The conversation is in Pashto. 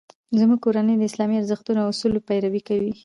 زموږ کورنۍ د اسلامي ارزښتونو او اصولو پیروي کوي